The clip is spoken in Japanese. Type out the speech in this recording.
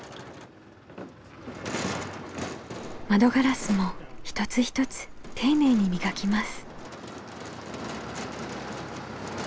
窓ガラスも一つ一つ丁寧に磨きます。